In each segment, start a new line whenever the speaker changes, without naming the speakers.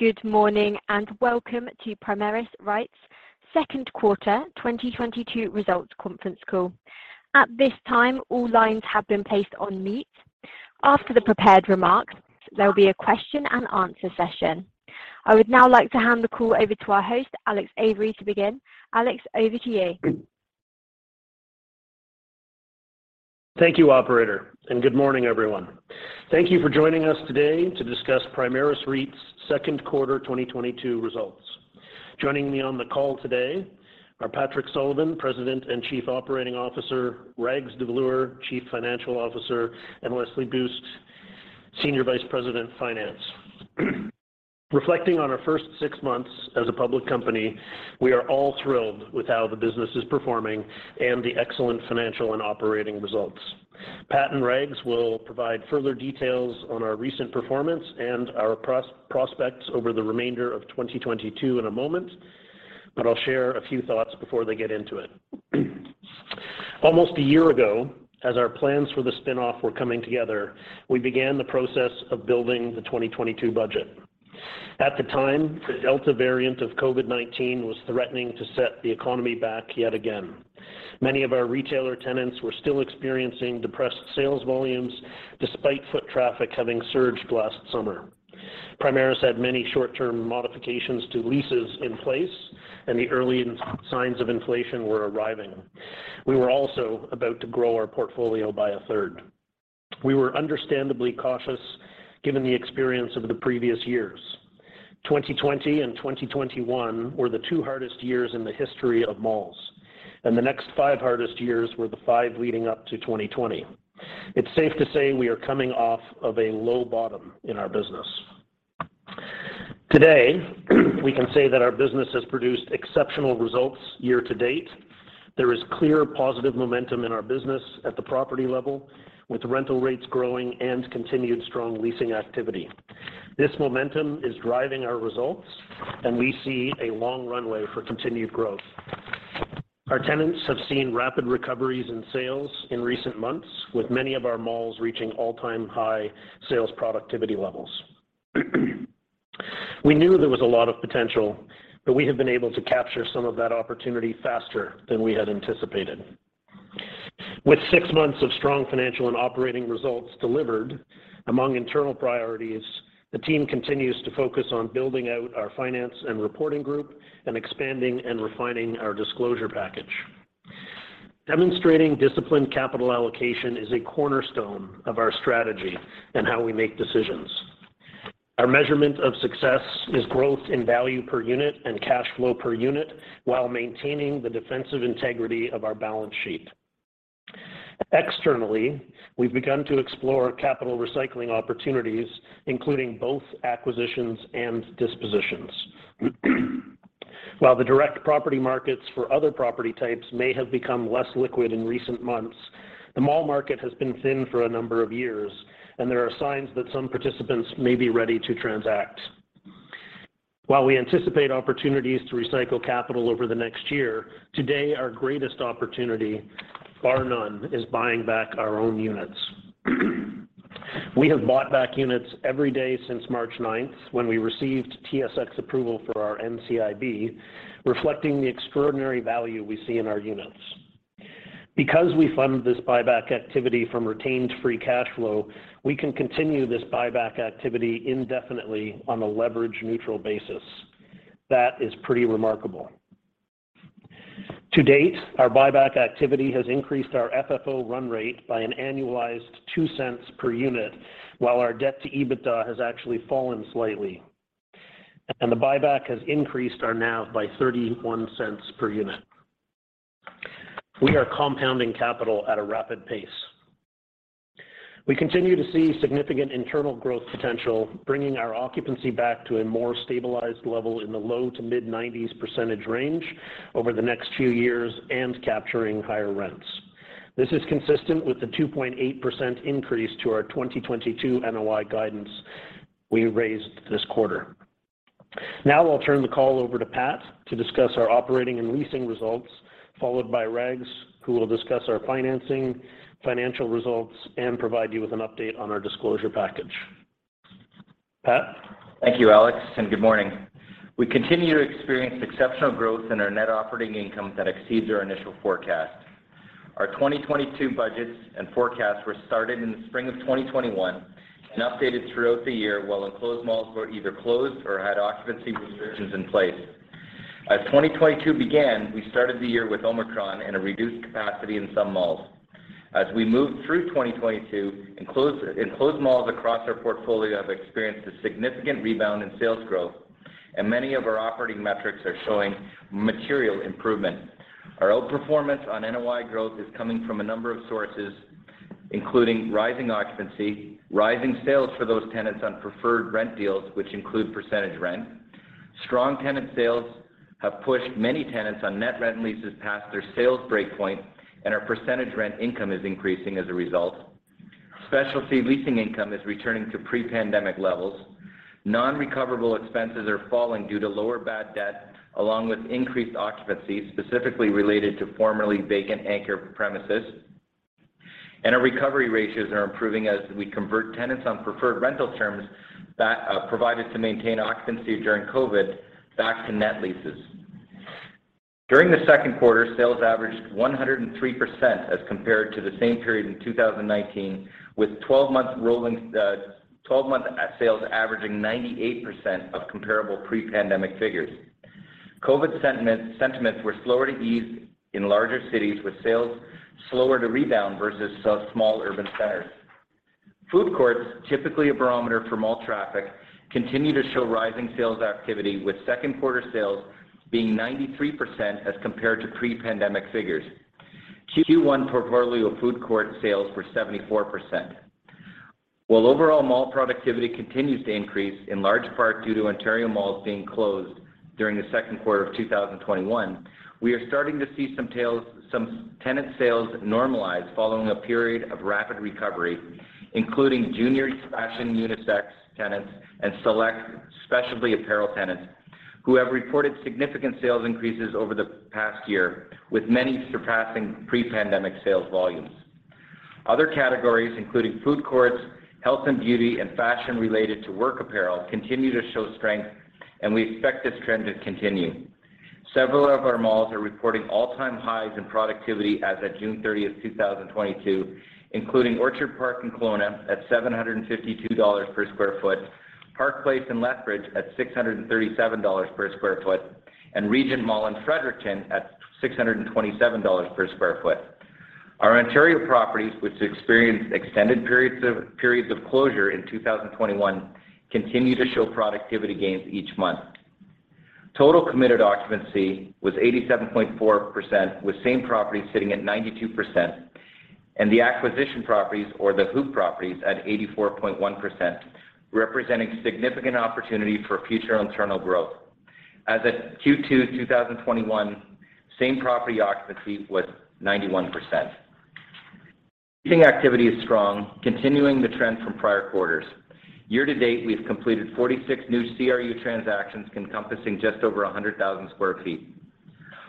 Good morning, and welcome to Primaris REIT's second quarter 2022 results conference call. At this time, all lines have been placed on mute. After the prepared remarks, there will be a question and answer session. I would now like to hand the call over to our host, Alex Avery, to begin. Alex, over to you.
Thank you, operator, and good morning, everyone. Thank you for joining us today to discuss Primaris REIT's second quarter 2022 results. Joining me on the call today are Patrick Sullivan, President and Chief Operating Officer, Raghunath Davloor, Chief Financial Officer, and Leslie Buist, Senior Vice President of Finance. Reflecting on our first six months as a public company, we are all thrilled with how the business is performing and the excellent financial and operating results. Pat and Rags will provide further details on our recent performance and our prospects over the remainder of 2022 in a moment, but I'll share a few thoughts before they get into it. Almost a year ago, as our plans for the spin-off were coming together, we began the process of building the 2022 budget. At the time, the Delta variant of COVID-19 was threatening to set the economy back yet again. Many of our retailer tenants were still experiencing depressed sales volumes despite foot traffic having surged last summer. Primaris had many short-term modifications to leases in place, and the early signs of inflation were arriving. We were also about to grow our portfolio by a third. We were understandably cautious given the experience of the previous years. 2020 and 2021 were the two hardest years in the history of malls, and the next five hardest years were the five leading up to 2020. It's safe to say we are coming off of a low bottom in our business. Today, we can say that our business has produced exceptional results year to date. There is clear positive momentum in our business at the property level, with rental rates growing and continued strong leasing activity. This momentum is driving our results, and we see a long runway for continued growth. Our tenants have seen rapid recoveries in sales in recent months, with many of our malls reaching all-time high sales productivity levels. We knew there was a lot of potential, but we have been able to capture some of that opportunity faster than we had anticipated. With six months of strong financial and operating results delivered, among internal priorities, the team continues to focus on building out our finance and reporting group and expanding and refining our disclosure package. Demonstrating disciplined capital allocation is a cornerstone of our strategy and how we make decisions. Our measurement of success is growth in value per unit and cash flow per unit while maintaining the defensive integrity of our balance sheet. Externally, we've begun to explore capital recycling opportunities, including both acquisitions and dispositions. While the direct property markets for other property types may have become less liquid in recent months, the mall market has been thin for a number of years, and there are signs that some participants may be ready to transact. While we anticipate opportunities to recycle capital over the next year, today our greatest opportunity, bar none, is buying back our own units. We have bought back units every day since March ninth when we received TSX approval for our NCIB, reflecting the extraordinary value we see in our units. Because we fund this buyback activity from retained free cash flow, we can continue this buyback activity indefinitely on a leverage neutral basis. That is pretty remarkable. To date, our buyback activity has increased our FFO run rate by an annualized 0.02 per unit, while our debt to EBITDA has actually fallen slightly. The buyback has increased our NAV by 0.31 per unit. We are compounding capital at a rapid pace. We continue to see significant internal growth potential, bringing our occupancy back to a more stabilized level in the low to mid 90% range over the next few years and capturing higher rents. This is consistent with the 2.8% increase to our 2022 NOI guidance we raised this quarter. Now I'll turn the call over to Pat to discuss our operating and leasing results, followed by Rags, who will discuss our financing, financial results, and provide you with an update on our disclosure package. Pat?
Thank you, Alex, and good morning. We continue to experience exceptional growth in our net operating income that exceeds our initial forecast. Our 2022 budgets and forecasts were started in the spring of 2021 and updated throughout the year while enclosed malls were either closed or had occupancy restrictions in place. As 2022 began, we started the year with Omicron and a reduced capacity in some malls. As we moved through 2022, enclosed malls across our portfolio have experienced a significant rebound in sales growth, and many of our operating metrics are showing material improvement. Our outperformance on NOI growth is coming from a number of sources, including rising occupancy, rising sales for those tenants on preferred rent deals, which include percentage rent. Strong tenant sales have pushed many tenants on net rent leases past their sales break point, and our percentage rent income is increasing as a result. Specialty leasing income is returning to pre-pandemic levels. Non-recoverable expenses are falling due to lower bad debt, along with increased occupancy, specifically related to formerly vacant anchor premises. Our recovery ratios are improving as we convert tenants on preferred rental terms that provided to maintain occupancy during COVID back to net leases. During the second quarter, sales averaged 103% as compared to the same period in 2019, with 12 month rolling 12 month sales averaging 98% of comparable pre-pandemic figures. COVID sentiments were slower to ease in larger cities with sales slower to rebound vs. small urban centers. Food courts, typically a barometer for mall traffic, continue to show rising sales activity, with second quarter sales being 93% as compared to pre-pandemic figures. Q1 portfolio food court sales were 74%. While overall mall productivity continues to increase in large part due to Ontario malls being closed during the second quarter of 2021, we are starting to see some tenant sales normalize following a period of rapid recovery, including junior fashion unisex tenants and select specialty apparel tenants who have reported significant sales increases over the past year, with many surpassing pre-pandemic sales volumes. Other categories, including food courts, health and beauty, and fashion related to work apparel, continue to show strength, and we expect this trend to continue. Several of our malls are reporting all-time highs in productivity as at June 30th, 2022, including Orchard Park in Kelowna at 752 dollars per sq ft, Park Place in Lethbridge at 637 dollars per sq ft, and Regent Mall in Fredericton at 627 dollars per sq ft. Our Ontario properties, which experienced extended periods of closure in 2021, continue to show productivity gains each month. Total committed occupancy was 87.4%, with same properties sitting at 92%, and the acquisition properties or the H&R properties at 84.1%, representing significant opportunity for future internal growth. As at Q2 2021, same property occupancy was 91%. Leasing activity is strong, continuing the trend from prior quarters. Year to date, we've completed 46 new CRU transactions encompassing just over 100,000 sq ft.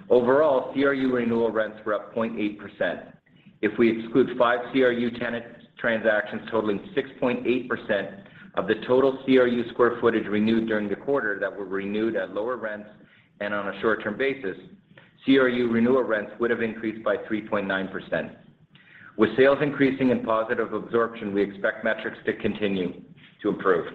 Overall, CRU renewal rents were up 0.8%. If we exclude five CRU tenant transactions totaling 6.8% of the total CRU square footage renewed during the quarter that were renewed at lower rents and on a short-term basis, CRU renewal rents would have increased by 3.9%. With sales increasing and positive absorption, we expect metrics to continue to improve.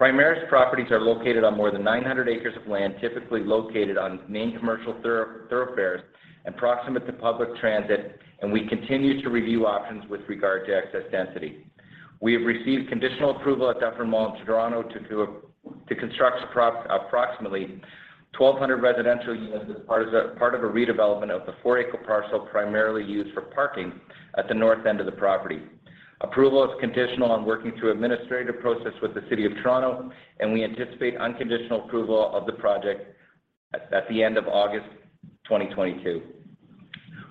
Primaris properties are located on more than 900 acres of land, typically located on main commercial thoroughfares and proximate to public transit, and we continue to review options with regard to excess density. We have received conditional approval at Dufferin Mall in Toronto to construct approximately 1,200 residential units as part of a redevelopment of the 4 acre parcel primarily used for parking at the north end of the property. Approval is conditional on working through administrative process with the City of Toronto, and we anticipate unconditional approval of the project at the end of August 2022.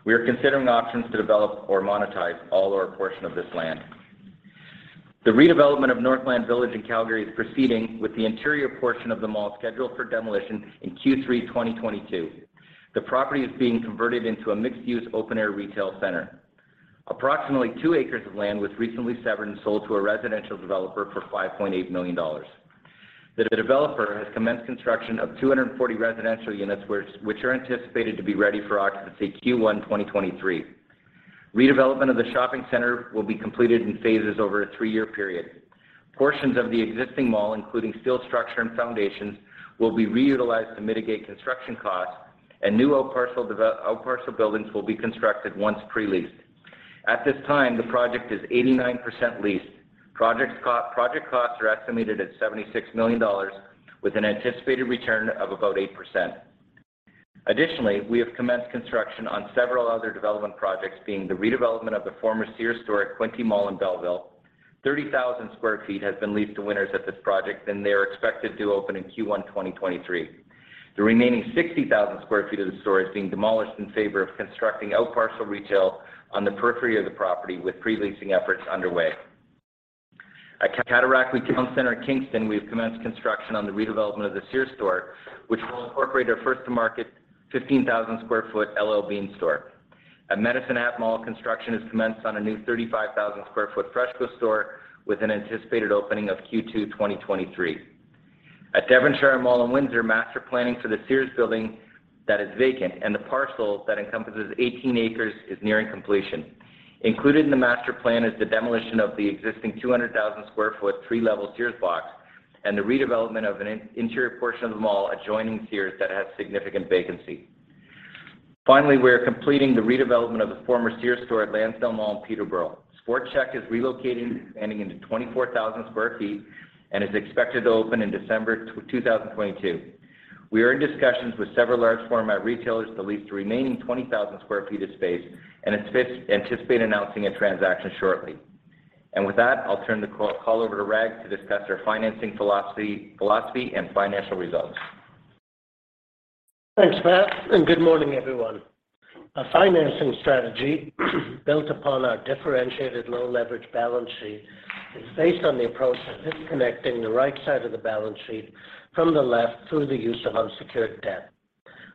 We are considering options to develop or monetize all or a portion of this land. The redevelopment of Northland Village in Calgary is proceeding, with the interior portion of the mall scheduled for demolition in Q3 2022. The property is being converted into a mixed-use open air retail center. Approximately 2 acres of land was recently severed and sold to a residential developer for 5.8 million dollars. The developer has commenced construction of 240 residential units, which are anticipated to be ready for occupancy Q1 2023. Redevelopment of the shopping center will be completed in phases over a three year period. Portions of the existing mall, including steel structure and foundations, will be reutilized to mitigate construction costs and new out parcel buildings will be constructed once pre-leased. At this time, the project is 89% leased. Project costs are estimated at 76 million dollars with an anticipated return of about 8%. Additionally, we have commenced construction on several other development projects being the redevelopment of the former Sears store at Quinte Mall in Belleville. 30,000 sq ft has been leased to Winners at this project, and they are expected to open in Q1 2023. The remaining 60,000 sq ft of the store is being demolished in favor of constructing out parcel retail on the periphery of the property with pre-leasing efforts underway. At Cataraqui Centre in Kingston, we have commenced construction on the redevelopment of the Sears store, which will incorporate our first to market 15,000 sq ft L.L.Bean store. At Medicine Hat Mall, construction is commenced on a new 35,000 sq ft FreshCo store with an anticipated opening of Q2 2023. At Devonshire Mall in Windsor, master planning for the Sears building that is vacant and the parcel that encompasses 18 acres is nearing completion. Included in the master plan is the demolition of the existing 200,000 sq ft three level Sears box and the redevelopment of an interior portion of the mall adjoining Sears that has significant vacancy. Finally, we are completing the redevelopment of the former Sears store at Lansdowne Place in Peterborough. Sport Chek is relocating, expanding into 24,000 sq ft and is expected to open in December 2022. We are in discussions with several large format retailers to lease the remaining 20,000 sq ft of space and anticipate announcing a transaction shortly. With that, I'll turn the call over to Rag to discuss our financing philosophy and financial results.
Thanks, Patrick, and good morning, everyone. Our financing strategy built upon our differentiated low leverage balance sheet is based on the approach of disconnecting the right side of the balance sheet from the left through the use of unsecured debt.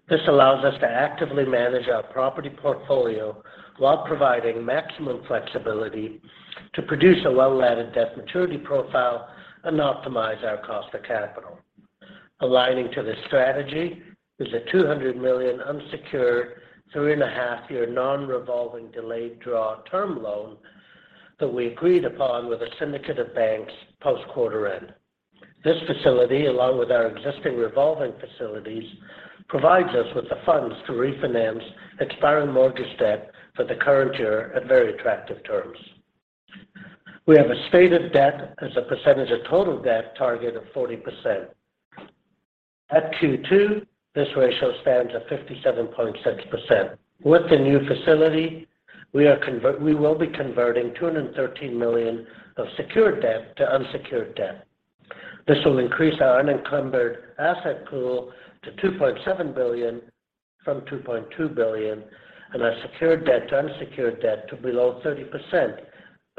This allows us to actively manage our property portfolio while providing maximum flexibility to produce a well-laddered debt maturity profile and optimize our cost of capital. Aligning to this strategy is a 200 million unsecured 3.5 year non-revolving delayed draw term loan that we agreed upon with a syndicate of banks post quarter end. This facility, along with our existing revolving facilities, provides us with the funds to refinance expiring mortgage debt for the current year at very attractive terms. We have a stated debt as a percentage of total debt target of 40%. At Q2, this ratio stands at 57.6%. With the new facility, we will be converting 213 million of secured debt to unsecured debt. This will increase our unencumbered asset pool to 2.7 billion from 2.2 billion, and our secured debt to unsecured debt to below 30%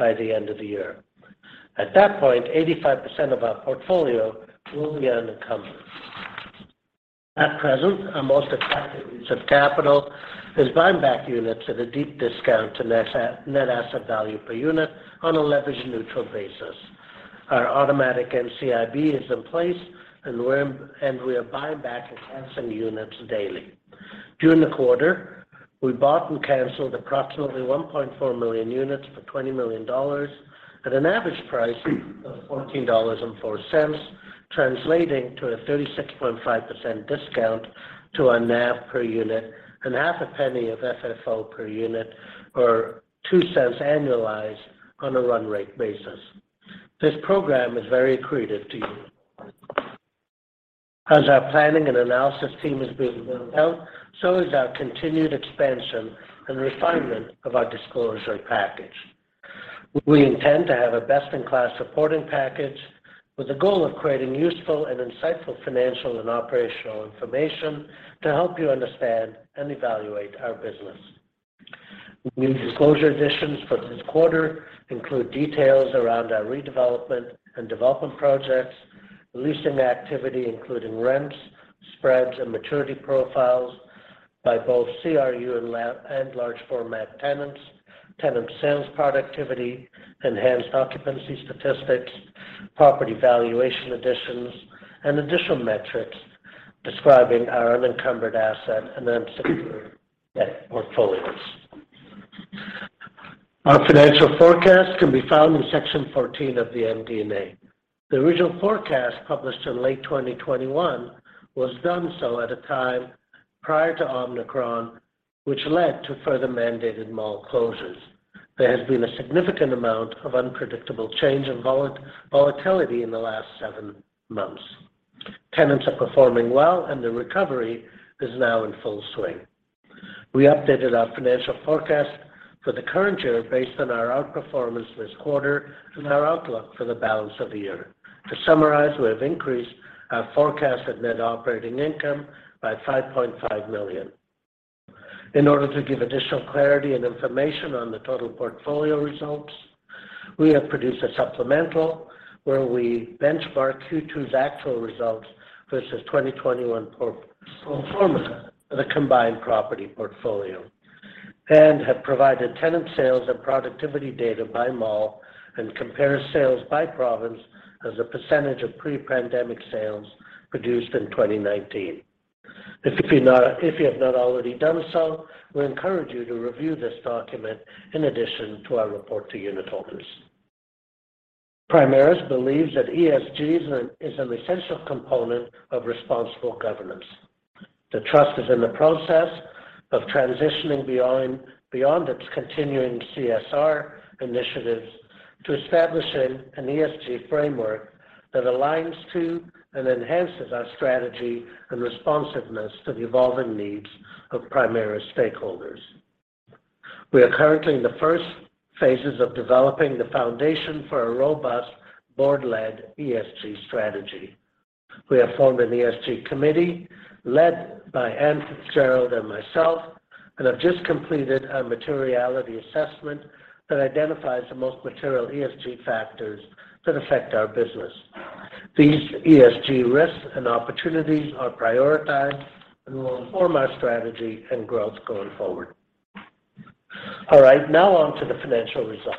by the end of the year. At that point, 85% of our portfolio will be unencumbered. At present, our most attractive use of capital is buying back units at a deep discount to net asset value per unit on a leverage neutral basis. Our automatic NCIB is in place, and we are buying back and canceling units daily. During the quarter, we bought and canceled approximately 1.4 million units for 20 million dollars at an average price of 14.04 dollars, translating to a 36.5% discount to our NAV per unit and half a penny of FFO per unit or 0.02 annualized on a run rate basis. This program is very accretive to units. As our planning and analysis team has been built out, so has our continued expansion and refinement of our disclosure package. We intend to have a best-in-class reporting package with the goal of creating useful and insightful financial and operational information to help you understand and evaluate our business. New disclosure additions for this quarter include details around our redevelopment and development projects, leasing activity, including rents, spreads, and maturity profiles by both CRU and large format tenants, tenant sales productivity, enhanced occupancy statistics, property valuation additions, and additional metrics describing our unencumbered asset and unsecured debt portfolios. Our financial forecast can be found in Section 14 of the MD&A. The original forecast published in late 2021 was done so at a time prior to Omicron, which led to further mandated mall closures. There has been a significant amount of unpredictable change and volatility in the last seven months. Tenants are performing well, and the recovery is now in full swing. We updated our financial forecast for the current year based on our outperformance this quarter and our outlook for the balance of the year. To summarize, we have increased our forecast of net operating income by 5.5 million. In order to give additional clarity and information on the total portfolio results, we have produced a supplemental where we benchmark Q2's actual results vs. 2021 pro forma of the combined property portfolio and have provided tenant sales and productivity data by mall and compare sales by province as a percentage of pre-pandemic sales produced in 2019. If you have not already done so, we encourage you to review this document in addition to our report to unitholders. Primaris believes that ESG is an essential component of responsible governance. The trust is in the process of transitioning beyond its continuing CSR initiatives to establishing an ESG framework that aligns to and enhances our strategy and responsiveness to the evolving needs of Primaris stakeholders. We are currently in the first phases of developing the foundation for a robust board-led ESG strategy. We have formed an ESG committee led by Anne Fitzgerald and myself, and have just completed our materiality assessment that identifies the most material ESG factors that affect our business. These ESG risks and opportunities are prioritized and will inform our strategy and growth going forward. All right, now on to the financial results.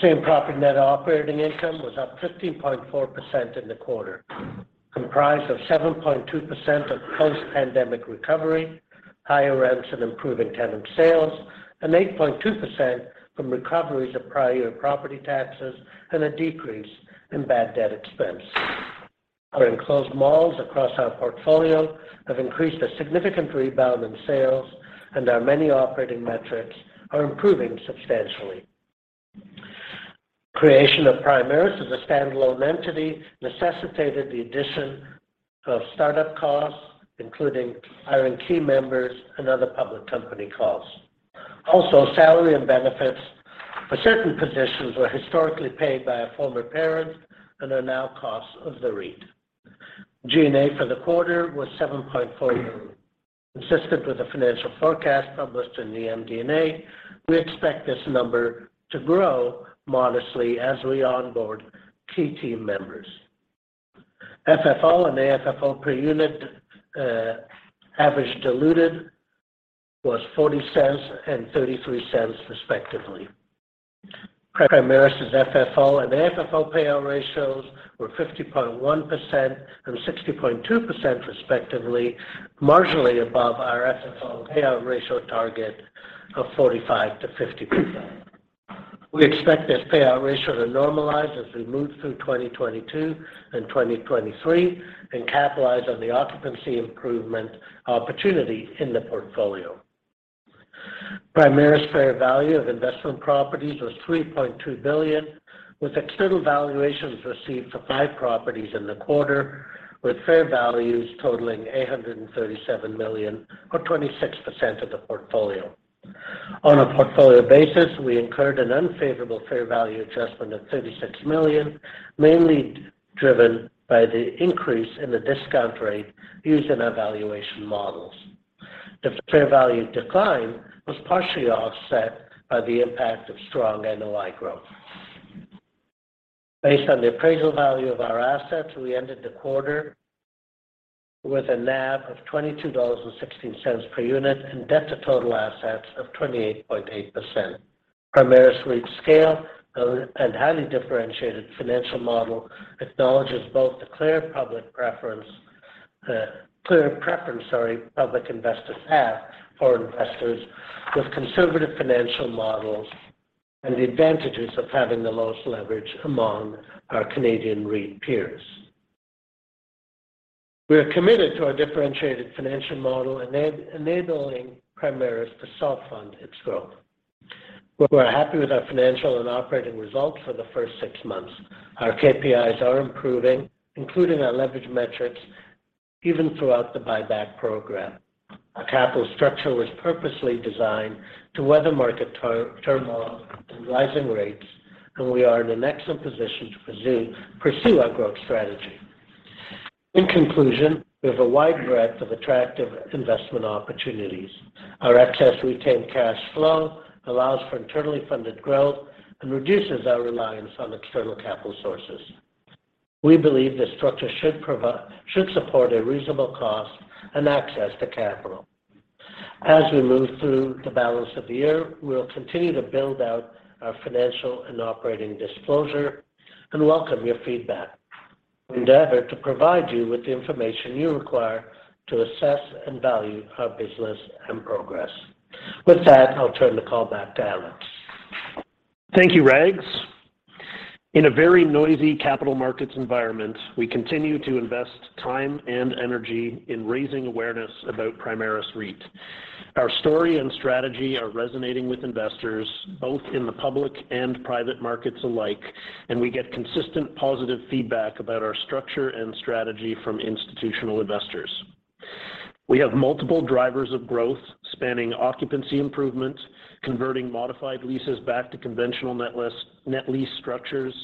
Same-property NOI was up 15.4% in the quarter, comprised of 7.2% of post-pandemic recovery, higher rents and improving tenant sales, and 8.2% from recoveries of prior year property taxes and a decrease in bad debt expense. Our enclosed malls across our portfolio have seen a significant rebound in sales, and our many operating metrics are improving substantially. Creation of Primaris as a standalone entity necessitated the addition of startup costs, including hiring key members and other public company costs. Also, salary and benefits for certain positions were historically paid by our former parents and are now costs of the REIT. G&A for the quarter was 7.4 million. Consistent with the financial forecast published in the MD&A, we expect this number to grow modestly as we onboard key team members. FFO and AFFO per unit, average diluted was 0.40 and 0.33 respectively. Primaris' FFO and AFFO payout ratios were 50.1% and 60.2% respectively, marginally above our FFO payout ratio target of 45%-50%. We expect this payout ratio to normalize as we move through 2022 and 2023 and capitalize on the occupancy improvement opportunity in the portfolio. Primaris fair value of investment properties was 3.2 billion, with external valuations received for five properties in the quarter, with fair values totaling 837 million or 26% of the portfolio. On a portfolio basis, we incurred an unfavorable fair value adjustment of 36 million, mainly driven by the increase in the discount rate used in our valuation models. The fair value decline was partially offset by the impact of strong NOI growth. Based on the appraisal value of our assets, we ended the quarter with a NAV of 22.16 dollars per unit and debt to total assets of 28.8%. Primaris REIT's scale and highly differentiated financial model acknowledges both the clear public preference, sorry, public investors have for investors with conservative financial models and the advantages of having the lowest leverage among our Canadian REIT peers. We are committed to our differentiated financial model enabling Primaris to self-fund its growth. We're happy with our financial and operating results for the first six months. Our KPIs are improving, including our leverage metrics even throughout the buyback program. Our capital structure was purposely designed to weather market turmoil and rising rates, and we are in an excellent position to pursue our growth strategy. In conclusion, we have a wide breadth of attractive investment opportunities. Our excess retained cash flow allows for internally funded growth and reduces our reliance on external capital sources. We believe this structure should support a reasonable cost and access to capital. As we move through the balance of the year, we'll continue to build out our financial and operating disclosure and welcome your feedback. We endeavor to provide you with the information you require to assess and value our business and progress. With that, I'll turn the call back to Alex.
Thank you, Rags. In a very noisy capital markets environment, we continue to invest time and energy in raising awareness about Primaris REIT. Our story and strategy are resonating with investors, both in the public and private markets alike, and we get consistent positive feedback about our structure and strategy from institutional investors. We have multiple drivers of growth spanning occupancy improvement, converting modified leases back to conventional net lease structures,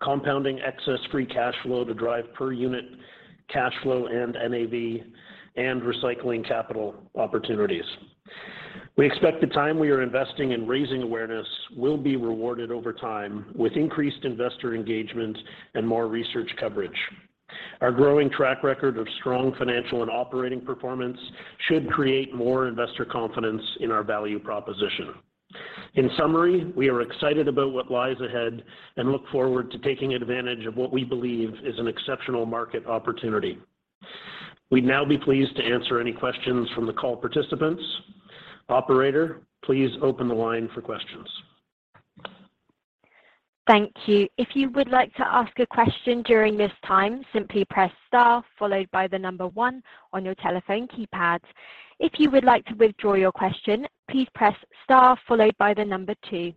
compounding excess free cash flow to drive per unit cash flow and NAV, and recycling capital opportunities. We expect the time we are investing in raising awareness will be rewarded over time with increased investor engagement and more research coverage. Our growing track record of strong financial and operating performance should create more investor confidence in our value proposition. In summary, we are excited about what lies ahead and look forward to taking advantage of what we believe is an exceptional market opportunity. We'd now be pleased to answer any questions from the call participants. Operator, please open the line for questions.
Thank you. If you would like to ask a question during this time, simply press star followed by one on your telephone keypad. If you would like to withdraw your question, please press star followed by two.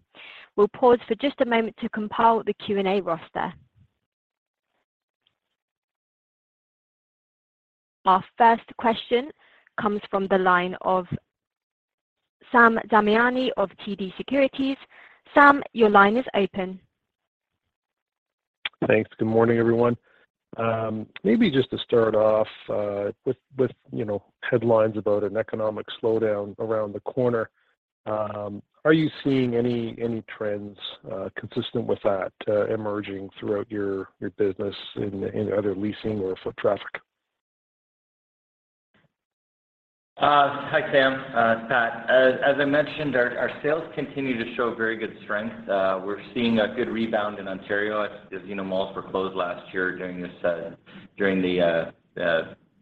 We'll pause for just a moment to compile the Q&A roster. Our first question comes from the line of Sam Damiani of TD Securities. Sam, your line is open.
Thanks. Good morning, everyone. Maybe just to start off with you know headlines about an economic slowdown around the corner, are you seeing any trends consistent with that emerging throughout your business in either leasing or foot traffic?
Hi, Sam. It's Pat. As I mentioned, our sales continue to show very good strength. We're seeing a good rebound in Ontario as you know, malls were closed last year during the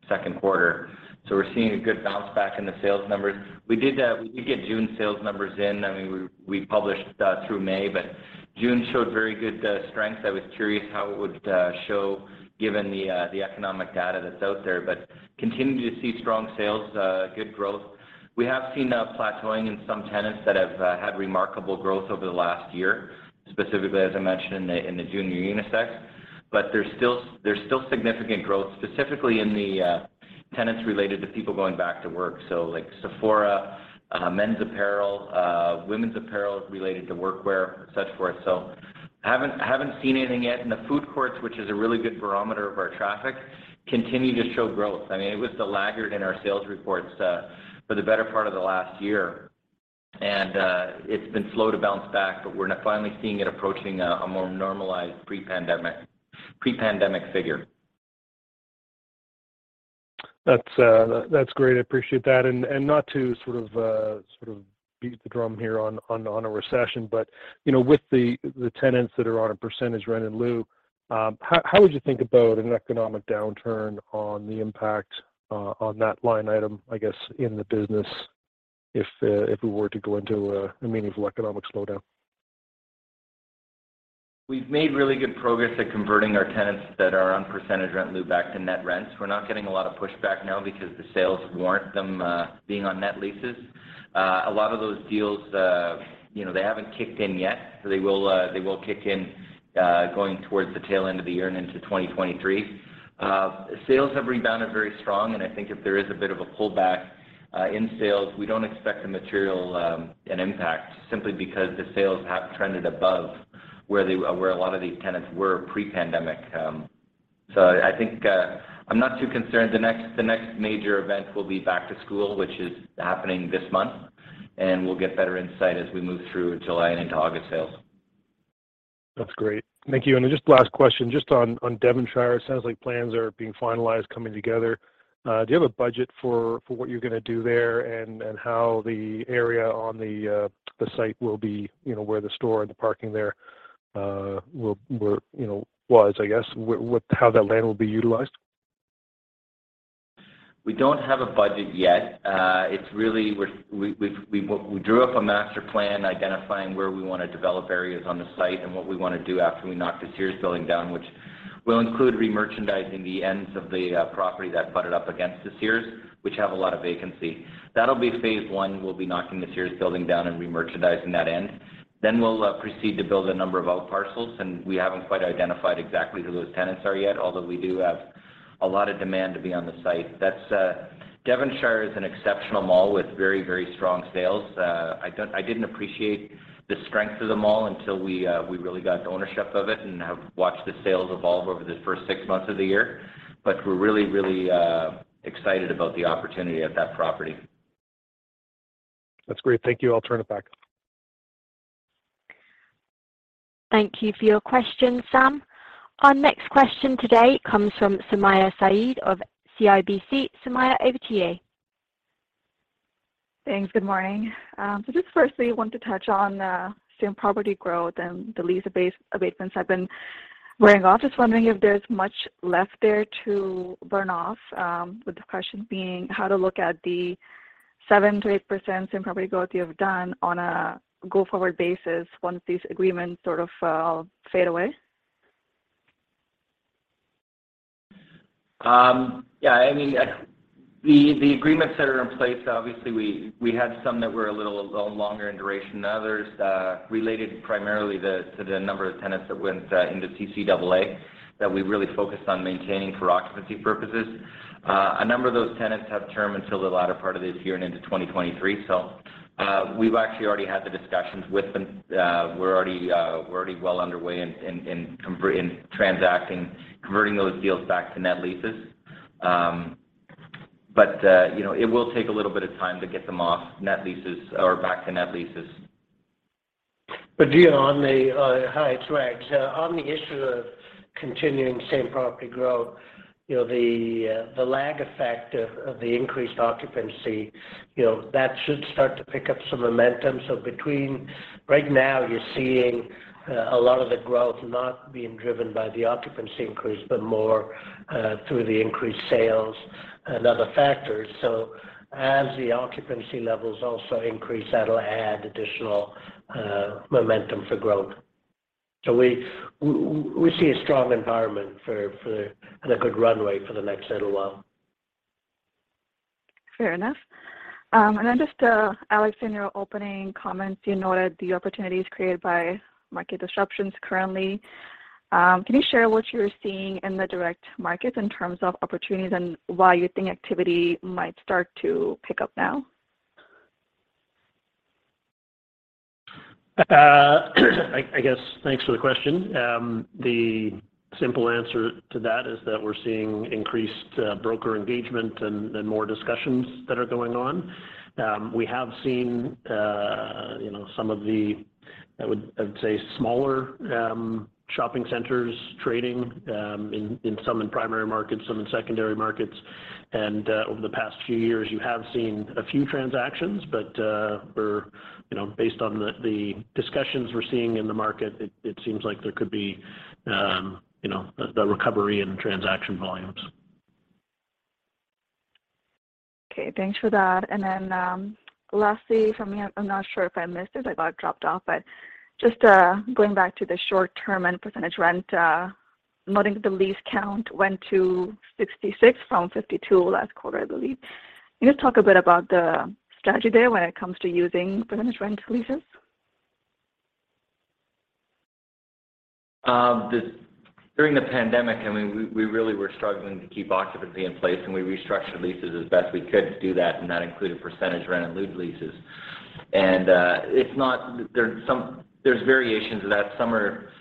second quarter. We're seeing a good bounce back in the sales numbers. We did get June sales numbers in. I mean, we published through May, but June showed very good strength. I was curious how it would show given the economic data that's out there. Continue to see strong sales, good growth. We have seen a plateauing in some tenants that have had remarkable growth over the last year, specifically, as I mentioned in the junior unisex. There's still significant growth, specifically in the tenants related to people going back to work, like Sephora, men's apparel, women's apparel related to work wear, and so forth. Haven't seen anything yet. The food courts, which is a really good barometer of our traffic, continue to show growth. I mean, it was the laggard in our sales reports for the better part of the last year. It's been slow to bounce back, but we're now finally seeing it approaching a more normalized pre-pandemic figure.
That's great. I appreciate that. Not to sort of beat the drum here on a recession, but you know, with the tenants that are on a percentage rent in lieu, how would you think about an economic downturn on the impact on that line item, I guess, in the business if we were to go into a meaningful economic slowdown?
We've made really good progress at converting our tenants that are on percentage rent in lieu back to net rents. We're not getting a lot of pushback now because the sales warrant them being on net leases. A lot of those deals, you know, they haven't kicked in yet, so they will kick in going towards the tail end of the year and into 2023. Sales have rebounded very strong, and I think if there is a bit of a pullback in sales, we don't expect a material impact simply because the sales have trended above where a lot of these tenants were pre-pandemic. I think I'm not too concerned. The next major event will be back to school, which is happening this month, and we'll get better insight as we move through July and into August sales.
That's great. Thank you. Just last question, just on Devonshire, it sounds like plans are being finalized coming together. Do you have a budget for what you're gonna do there and how the area on the site will be, you know, where the store and the parking there will be, you know, I guess, with how that land will be utilized?
We don't have a budget yet. It's really we've drawn up a master plan identifying where we wanna develop areas on the site and what we wanna do after we knock the Sears building down, which will include re-merchandising the ends of the property that butted up against the Sears, which have a lot of vacancy. That'll be phase one. We'll be knocking the Sears building down and re-merchandising that end. We'll proceed to build a number of outparcels, and we haven't quite identified exactly who those tenants are yet, although we do have a lot of demand to be on the site. That's Devonshire is an exceptional mall with very, very strong sales. I didn't appreciate the strength of the mall until we really got the ownership of it and have watched the sales evolve over the first six months of the year. We're really excited about the opportunity at that property.
That's great. Thank you. I'll turn it back.
Thank you for your question, Sam. Our next question today comes from Sumayya Syed of CIBC. Sumayya, over to you.
Thanks. Good morning. Just firstly, wanted to touch on same property growth and the lease abatement have been wearing off. Just wondering if there's much left there to burn off, with the question being how to look at the 7%-8% same property growth you have done on a go-forward basis once these agreements sort of fade away.
Yeah, I mean, the agreements that are in place, obviously we had some that were a little longer in duration than others, related primarily to the number of tenants that went into CCAA that we really focused on maintaining for occupancy purposes. A number of those tenants have term until the latter part of this year and into 2023. We've actually already had the discussions with them. We're already well underway in transacting, converting those deals back to net leases. You know, it will take a little bit of time to get them off net leases or back to net leases.
You know, hi, it's Rags. On the issue of continuing same property growth, you know, the lag effect of the increased occupancy, you know, that should start to pick up some momentum. Between right now you're seeing a lot of the growth not being driven by the occupancy increase, but more through the increased sales and other factors. As the occupancy levels also increase, that'll add additional momentum for growth. We see a strong environment for the and a good runway for the next little while.
Fair enough. Alex, in your opening comments, you noted the opportunities created by market disruptions currently. Can you share what you're seeing in the direct markets in terms of opportunities and why you think activity might start to pick up now?
I guess thanks for the question. The simple answer to that is that we're seeing increased broker engagement and more discussions that are going on. We have seen you know some of the, I would say, smaller shopping centers trading in some primary markets, some in secondary markets. Over the past few years, you have seen a few transactions. We're you know based on the discussions we're seeing in the market, it seems like there could be you know the recovery in transaction volumes.
Okay, thanks for that. Lastly from me, I'm not sure if I missed it. I got dropped off. Just going back to the short term and percentage rent, noting the lease count went to 66 from 52 last quarter, I believe. Can you just talk a bit about the strategy there when it comes to using percentage rent leases?
During the pandemic, I mean, we really were struggling to keep occupancy in place, and we restructured leases as best we could to do that, and that included percentage rent in lieu leases. There's variations of that. Some are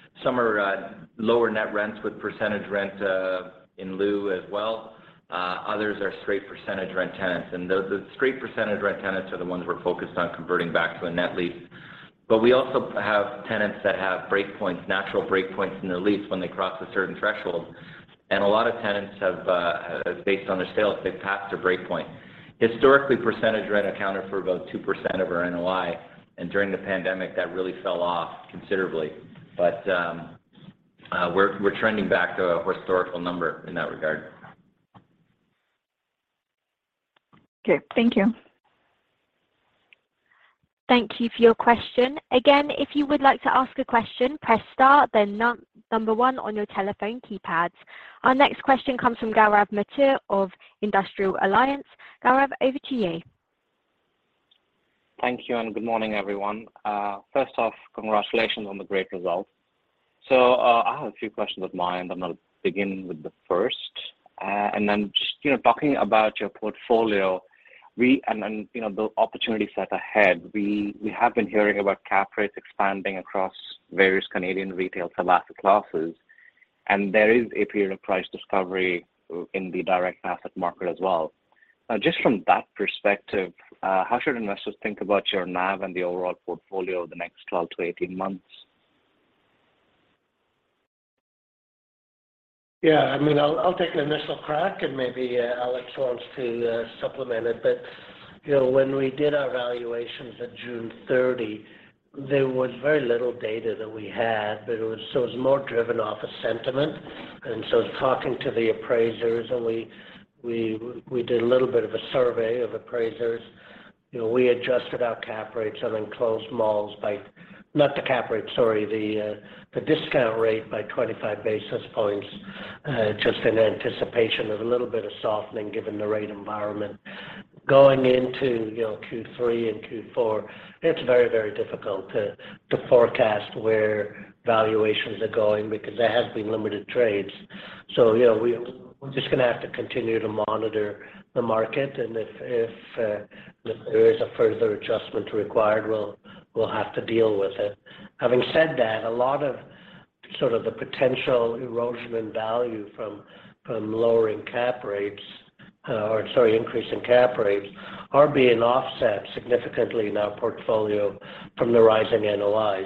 lower net rents with percentage rent in lieu as well. Others are straight percentage rent tenants. Straight percentage rent tenants are the ones we're focused on converting back to a net lease. We also have tenants that have breakpoints, natural breakpoints in their lease when they cross a certain threshold. A lot of tenants have, based on their sales, they've passed their breakpoint. Historically, percentage rent accounted for about 2% of our NOI, and during the pandemic, that really fell off considerably. We're trending back to a historical number in that regard.
Okay. Thank you.
Thank you for your question. Again, if you would like to ask a question, press star, then number one on your telephone keypads. Our next question comes from Gaurav Mathur of Industrial Alliance. Gaurav, over to you.
Thank you, and good morning, everyone. First off, congratulations on the great results. I have a few questions of mine, but I'll begin with the first. Just, you know, talking about your portfolio and the opportunity set ahead. We have been hearing about cap rates expanding across various Canadian retail asset classes, and there is a period of price discovery in the direct asset market as well. Now, just from that perspective, how should investors think about your NAV and the overall portfolio over the next 12-18 months?
Yeah, I mean, I'll take an initial crack, and maybe Alex wants to supplement it. You know, when we did our valuations at June 30, there was very little data that we had, but it was so it was more driven off of sentiment. Talking to the appraisers, we did a little bit of a survey of appraisers. You know, we adjusted our cap rates on enclosed malls. Not the cap rate, sorry, the discount rate by 25 basis points, just in anticipation of a little bit of softening given the rate environment. Going into, you know, Q3 and Q4, it's very difficult to forecast where valuations are going because there has been limited trades. You know, we're just going to have to continue to monitor the market. If there is a further adjustment required, we'll have to deal with it. Having said that, a lot of sort of the potential erosion in value from lowering cap rates, or sorry, increasing cap rates, are being offset significantly in our portfolio from the rising NOI.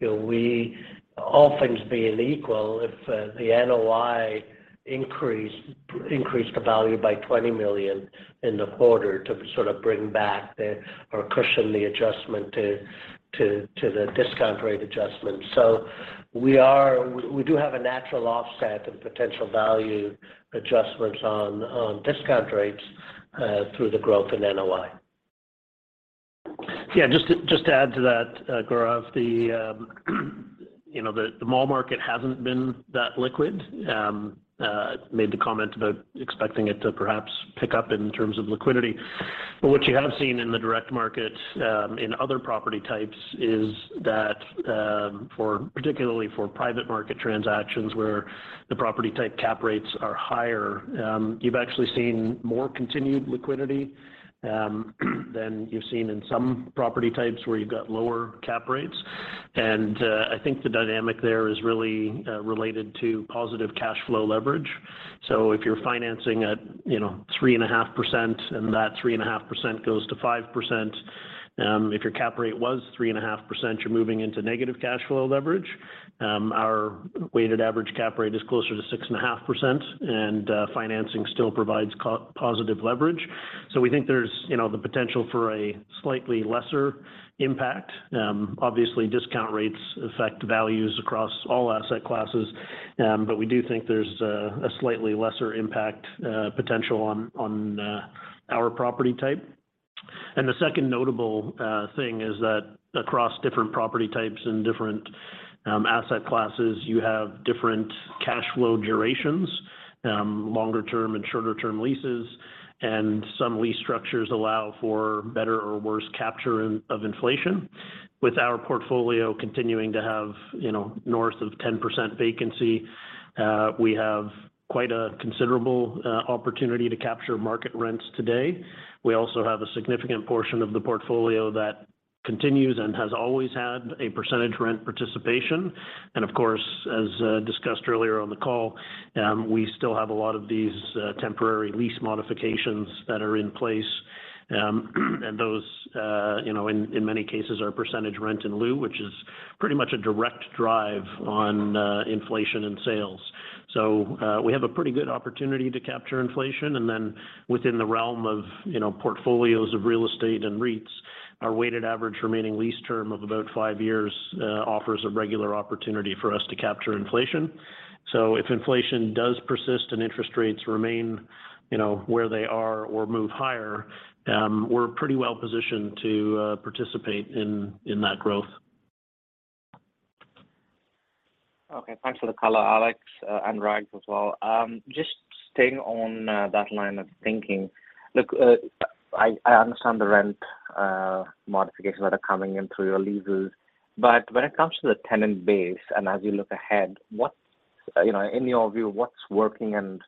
You know, all things being equal, if the NOI increased the value by 20 million in the quarter to sort of bring back the or cushion the adjustment to the discount rate adjustment. We do have a natural offset in potential value adjustments on discount rates through the growth in NOI.
Yeah, just to add to that, Gaurav, you know, the mall market hasn't been that liquid. Made the comment about expecting it to perhaps pick up in terms of liquidity. What you have seen in the direct market in other property types is that particularly for private market transactions where the property type cap rates are higher, you've actually seen more continued liquidity than you've seen in some property types where you've got lower cap rates. I think the dynamic there is really related to positive cash flow leverage. If you're financing at, you know, 3.5%, and that 3.5% goes to 5%, if your cap rate was 3.5%, you're moving into negative cash flow leverage. Our weighted average cap rate is closer to 6.5%, and financing still provides positive leverage. We think there's, you know, the potential for a slightly lesser impact. Obviously, discount rates affect values across all asset classes, but we do think there's a slightly lesser impact potential on our property type. The second notable thing is that across different property types and different asset classes, you have different cash flow durations, longer term and shorter term leases, and some lease structures allow for better or worse capture of inflation. With our portfolio continuing to have, you know, north of 10% vacancy, we have quite a considerable opportunity to capture market rents today. We also have a significant portion of the portfolio that continues and has always had a percentage rent participation. Of course, as discussed earlier on the call, we still have a lot of these temporary lease modifications that are in place. Those you know in many cases are percentage rent in lieu, which is pretty much a direct drive on inflation and sales. We have a pretty good opportunity to capture inflation. Then within the realm of you know portfolios of real estate and REITs, our weighted average remaining lease term of about five years offers a regular opportunity for us to capture inflation. If inflation does persist and interest rates remain you know where they are or move higher, we're pretty well positioned to participate in that growth.
Okay. Thanks for the color, Alex, and Rags as well. Just staying on that line of thinking. Look, I understand the rent modifications that are coming in through your leases. When it comes to the tenant base and as you look ahead, what's, you know, in your view, what's working and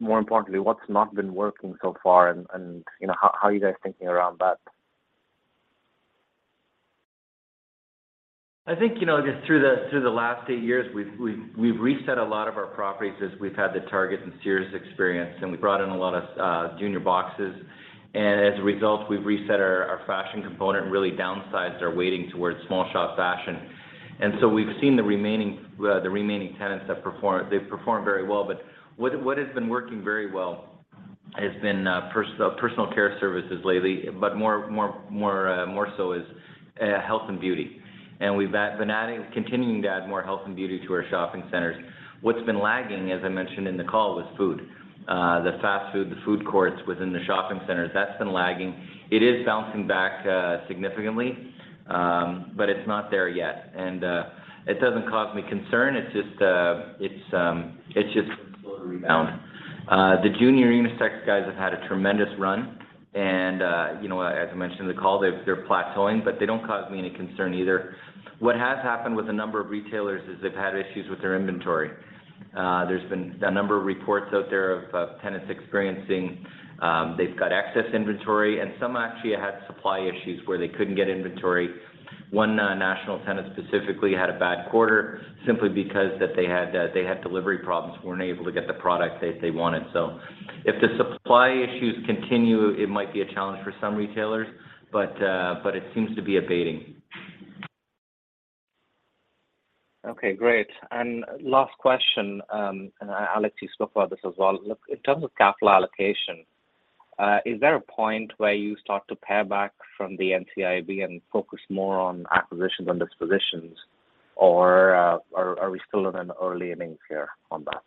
more importantly, what's not been working so far and you know, how are you guys thinking around that?
I think, you know, just through the last eight years, we've reset a lot of our properties as we've had the Target and Sears experience, and we brought in a lot of junior boxes. As a result, we've reset our fashion component, really downsized our weighting towards small shop fashion. We've seen the remaining tenants that perform. They've performed very well. What has been working very well has been personal care services lately, but more so is health and beauty. We've been continuing to add more health and beauty to our shopping centers. What's been lagging, as I mentioned in the call, was food. The fast food, the food courts within the shopping centers, that's been lagging. It is bouncing back significantly, but it's not there yet. It doesn't cause me concern. It's just a slow rebound. The junior unisex guys have had a tremendous run and, you know, as I mentioned in the call, they're plateauing, but they don't cause me any concern either. What has happened with a number of retailers is they've had issues with their inventory. There's been a number of reports out there of tenants experiencing, they've got excess inventory, and some actually have had supply issues where they couldn't get inventory. One national tenant specifically had a bad quarter simply because that they had delivery problems, weren't able to get the product they wanted. If the supply issues continue, it might be a challenge for some retailers, but it seems to be abating.
Okay, great. Last question, and Alex, you spoke about this as well. Look, in terms of capital allocation, is there a point where you start to pare back from the NCIB and focus more on acquisitions and dispositions, or are we still in an early innings here on that?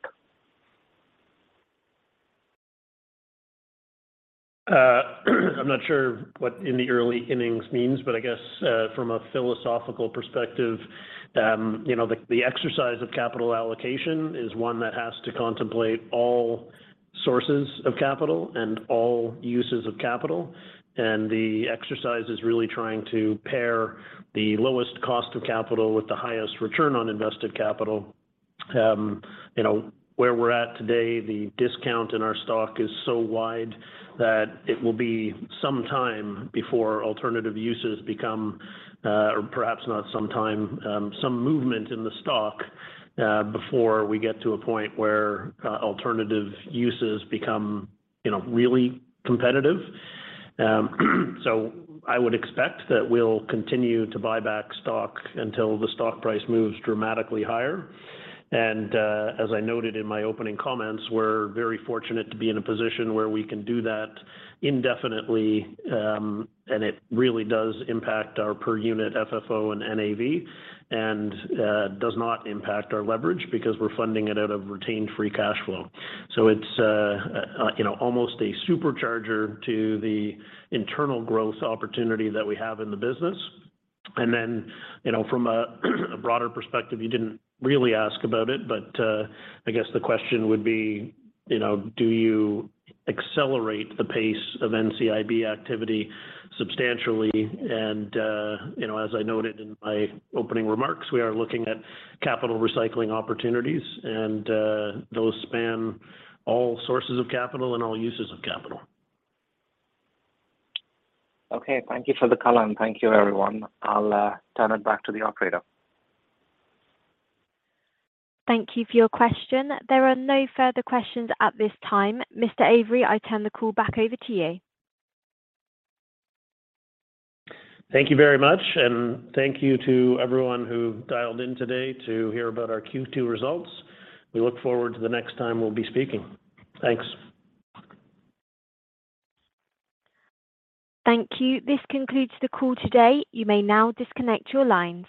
I'm not sure what in the early innings means, but I guess from a philosophical perspective, you know, the exercise of capital allocation is one that has to contemplate all sources of capital and all uses of capital. The exercise is really trying to pair the lowest cost of capital with the highest return on invested capital. You know, where we're at today, the discount in our stock is so wide that it will be some time before alternative uses become, or perhaps not some time, some movement in the stock before we get to a point where alternative uses become, you know, really competitive. I would expect that we'll continue to buy back stock until the stock price moves dramatically higher. As I noted in my opening comments, we're very fortunate to be in a position where we can do that indefinitely. It really does impact our per unit FFO and NAV, and does not impact our leverage because we're funding it out of retained free cash flow. It's you know almost a supercharger to the internal growth opportunity that we have in the business. Then you know from a broader perspective, you didn't really ask about it, but I guess the question would be, you know, do you accelerate the pace of NCIB activity substantially. You know as I noted in my opening remarks, we are looking at capital recycling opportunities, and those span all sources of capital and all uses of capital.
Okay. Thank you for the color, and thank you, everyone. I'll turn it back to the operator.
Thank you for your question. There are no further questions at this time. Mr. Avery, I turn the call back over to you.
Thank you very much, and thank you to everyone who dialed in today to hear about our Q2 results. We look forward to the next time we'll be speaking. Thanks.
Thank you. This concludes the call today. You may now disconnect your lines.